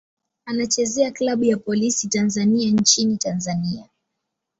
Anachezea klabu ya Polisi Tanzania nchini Tanzania.